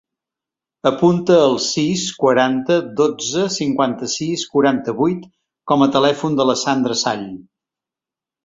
Apunta el sis, quaranta, dotze, cinquanta-sis, quaranta-vuit com a telèfon de la Sandra Sall.